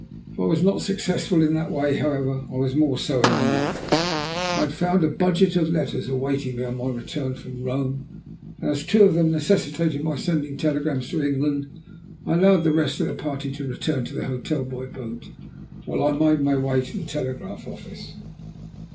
If I was not successful in that way, however, I was more so in another. I had found a budget of letters awaiting me on my return from Rome, and as two of them necessitated my sending telegrams to England, I allowed the rest of the party to return to hotel by boat, while I made my way to the telegraph office.